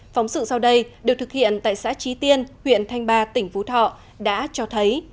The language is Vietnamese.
phóng sự sau đây được thực hiện tại xã trí tiên huyện thanh ba tỉnh phú thọ đã cho thấy